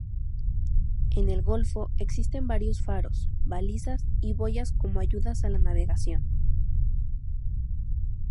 En el golfo existen varios faros, balizas y boyas como ayudas a la navegación.